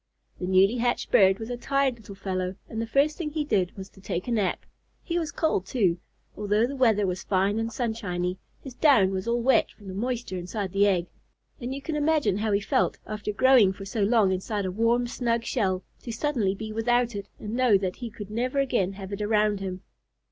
The newly hatched bird was a tired little fellow, and the first thing he did was to take a nap. He was cold, too, although the weather was fine and sunshiny. His down was all wet from the moisture inside the egg, and you can imagine how he felt, after growing for so long inside a warm, snug shell, to suddenly be without it and know that he could never again have it around him.